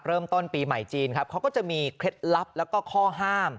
เริ่มต้นปีใหม่จีนครับเขาก็จะมีเคล็ดลับแล้วก็ข้อห้าม